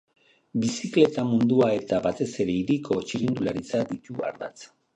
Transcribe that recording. Bizikleta mundua eta, batez ere, hiriko txirrindularitza ditu ardatz.